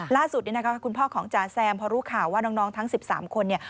ล่าสุดคุณพ่อของจ๋าแซมพอรู้ข่าวว่าน้องทั้ง๑๓คน